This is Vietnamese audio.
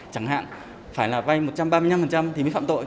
chẳng hạn phải là vay một trăm ba mươi năm thì mới phạm tội